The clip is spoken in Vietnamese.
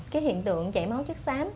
cái hiện tượng chảy máu chất xám